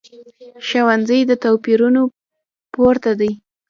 ښوونځی له توپیرونو پورته دی